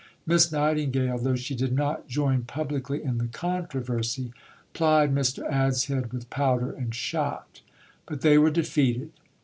Miss Nightingale, though she did not join publicly in the controversy, plied Mr. Adshead with powder and shot. But they were defeated.